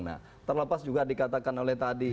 nah terlepas juga dikatakan oleh tadi